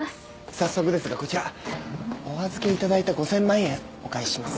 早速ですがこちらお預けいただいた５，０００万円お返しします。